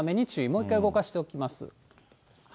もう一回動かしておきます。